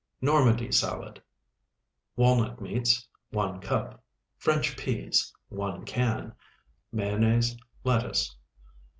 NORMANDIE SALAD Walnut meats, 1 cup. French peas, 1 can. Mayonnaise. Lettuce.